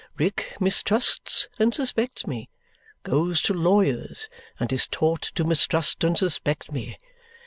Rick mistrusts and suspects me goes to lawyers, and is taught to mistrust and suspect me.